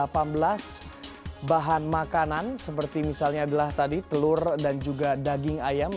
pertama bahan makanan seperti misalnya adalah tadi telur dan juga daging ayam